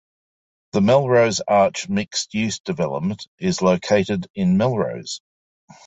The Melrose Arch mixed-use development is located in Melrose.